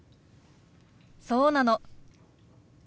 そうなの。